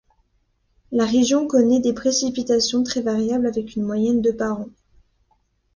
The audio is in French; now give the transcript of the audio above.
La région connaît des précipitations très variables avec une moyenne de par an.